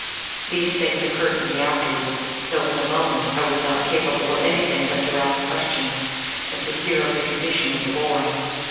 These things occurred to me afterwards, though at the moment I was not capable of anything but to ask questions and to hear of the condition of the boy.